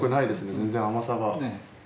全然甘さが。